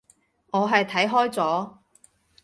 我係睇開咗